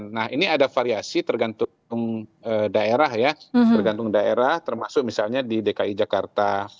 nah ini ada variasi tergantung daerah ya tergantung daerah termasuk misalnya di dki jakarta